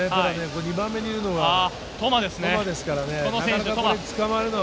２番目にいるのがトマですからね。